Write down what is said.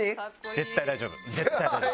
絶対大丈夫。